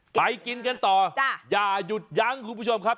ไปกินกันต่ออย่าหยุดยั้งคุณผู้ชมครับ